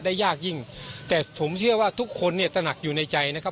ยากยิ่งแต่ผมเชื่อว่าทุกคนเนี่ยตระหนักอยู่ในใจนะครับ